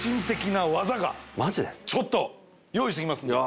ちょっと用意してきますんでいや